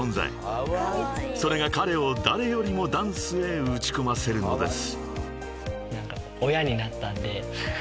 ［それが彼を誰よりもダンスへ打ち込ませるのです］